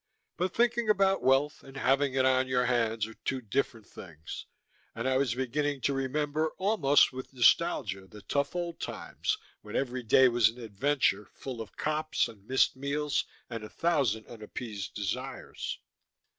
But thinking about wealth and having it on your hands are two different things, and I was beginning to remember almost with nostalgia the tough old times when every day was an adventure, full of cops and missed meals and a thousand unappeased desires.